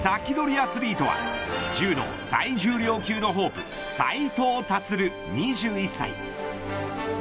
アツリートは柔道最重量級のホープ斉藤立、２１歳。